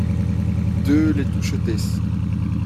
deux les Touchettès